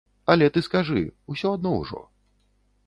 Але ты скажы, усё адно ўжо.